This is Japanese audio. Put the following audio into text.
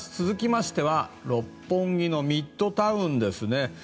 続きましては六本木のミッドタウンですね。